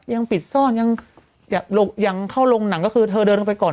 ยังปิดซ่อนยังเข้าโรงหนังก็คือเธอเดินลงไปก่อน